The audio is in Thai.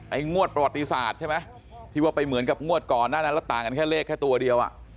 งวดประวัติศาสตร์ใช่ไหมที่ว่าไปเหมือนกับงวดก่อนหน้านั้นแล้วต่างกันแค่เลขแค่ตัวเดียวอ่ะ